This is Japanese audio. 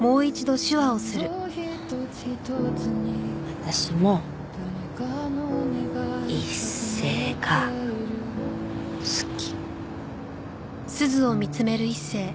私も一星が好き。